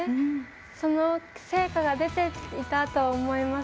その成果が出ていたと思います。